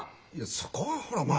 そこはほらまあ。